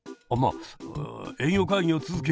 あ営業会議を続ける。